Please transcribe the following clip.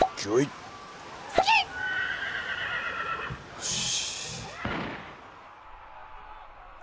よし。